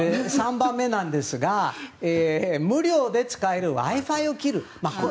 ３番目なんですが無料で使えるＷｉ‐Ｆｉを切る。